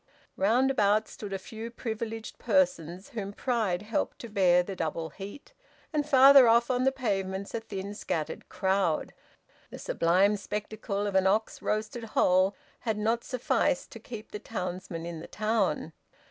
Round about stood a few privileged persons, whom pride helped to bear the double heat; and farther off on the pavements, a thin scattered crowd. The sublime spectacle of an ox roasted whole had not sufficed to keep the townsmen in the town.